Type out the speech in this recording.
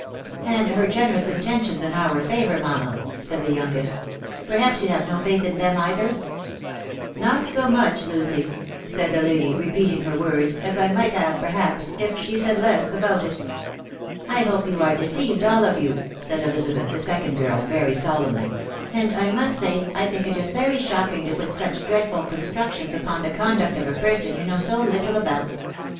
" And her generous intentions in our favour, mamma," .... said the youngest, " perhaps you have no faith in them, either ?" u Not so much, Lucy," Bald the \ad^ , ?e^rtx&%\«£t ^nstfta>* ('u I might have, perhaps, if she *A\&\ftta itaralVt? 114 TUB WUHJW MA9&AMV. " I hope you are deceived, all of you/' said Elisabeth, the second girl, very solemnly; "and I must say I think it is very shocking to put such (haadful oonetructien* *foj| the conduct of a person you know so little about."